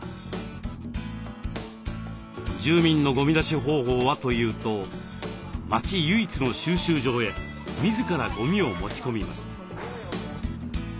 住民のゴミ出し方法はというと町唯一の収集場へ自らゴミを持ち込みます。